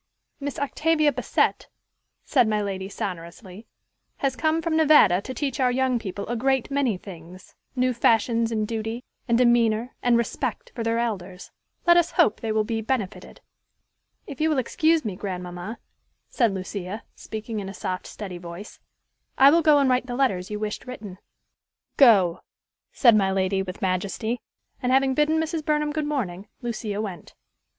"Miss Octavia Bassett," said my lady sonorously, "has come from Nevada to teach our young people a great many things, new fashions in duty, and demeanor, and respect for their elders. Let us hope they will be benefited." "If you will excuse me, grandmamma," said Lucia, speaking in a soft, steady voice, "I will go and write the letters you wished written." "Go," said my lady with majesty; and, having bidden Mrs. Burnham good morning, Lucia went.